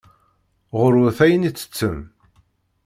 Ɣur-wet ayen i ttettem.